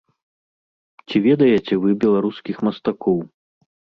Ці ведаеце вы беларускіх мастакоў?